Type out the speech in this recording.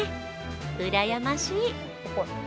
うらやましい。